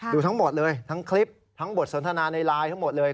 ดูทั้งหมดเลยทั้งคลิปทั้งบทสนทนาในไลน์ทั้งหมดเลย